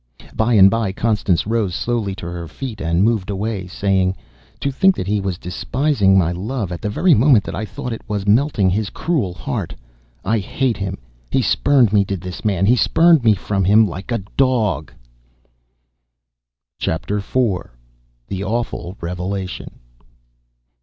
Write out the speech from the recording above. By and by Constance rose slowly to her feet and moved away, saying: "To think that he was despising my love at the very moment that I thought it was melting his cruel heart! I hate him! He spurned me did this man he spurned me from him like a dog!" CHAPTER IV THE AWFUL REVELATION.